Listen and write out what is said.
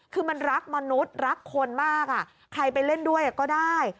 คือมันรักมนุษย์รักคนมากใครไปเล่นด้วยก็ได้